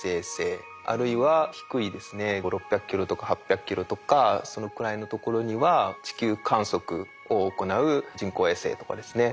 あるいは低いですね５００６００ｋｍとか８００ｋｍとかそのくらいのところには地球観測を行う人工衛星とかですね